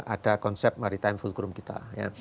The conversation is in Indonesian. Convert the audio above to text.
ada konsep maritime fulcrum kita